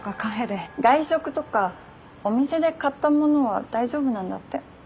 外食とかお店で買ったものは大丈夫なんだって。